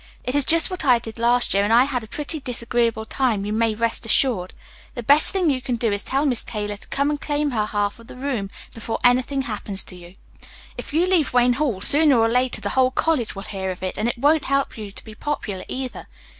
It is just what I did last year, and I had a pretty disagreeable time, you may rest assured. The best thing you can do is to tell Miss Taylor to come and claim her half of the room before anything happens to you. If you leave Wayne Hall, sooner or later the whole college will hear of it and it won't help you to be popular, either.